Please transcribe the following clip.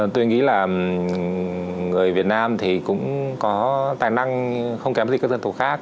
tôi nghĩ là người việt nam thì cũng có tài năng không kém gì các dân tộc khác